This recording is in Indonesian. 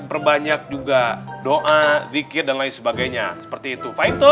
perbanyak juga doa dzikir dan lain sebagainya seperti itu fai itu